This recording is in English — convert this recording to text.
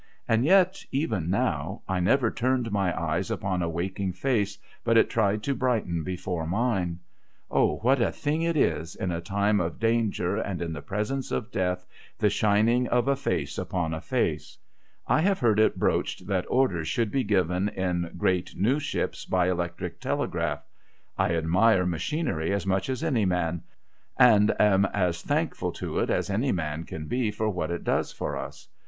And yet, even now, I never turned my eyes upon a waking face but it tried to brighten before mine. O, what a thing it is, in a time of danger and in the presence of death, the shining of a face upon a face ! I have heard it broached that orders should be given in great new ships by electric telegraph. I admire machinery as much as any man, and am as thankful to it as any man can be for what it does for us.